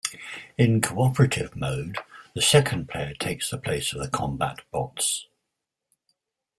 In cooperative mode, the second player takes the place of the combat bots.